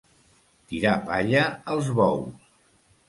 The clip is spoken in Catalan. Tirar palla als bous.